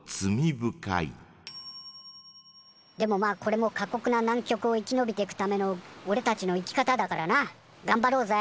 でもまあこれも過こくな南極を生き延びてくためのおれたちの生き方だからながんばろうぜ！